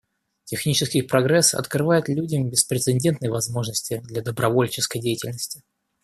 Технический прогресс открывает людям беспрецедентные возможности для добровольческой деятельности.